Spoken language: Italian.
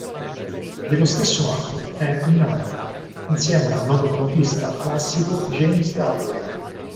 Dello stesso anno è "In Ireland", insieme al noto flautista classico James Galway.